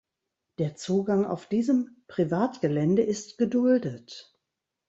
Der Zugang auf diesem Privatgelände ist geduldet.